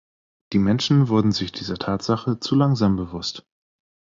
Die Menschen wurden sich dieser Tatsache zu langsam bewusst.